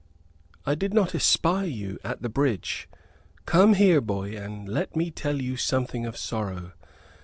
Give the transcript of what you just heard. I did not espy you at the bridge. Come here, boy, and let me tell to you something of sorrow.